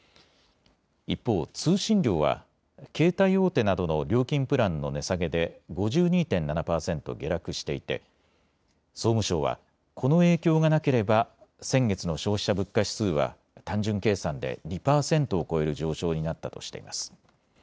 一方、通信料は携帯大手などの料金プランの値下げで５２．７％下落していて総務省はこの影響がなければ先月の消費者物価指数は単純計算で２％を超える上昇になったとしています。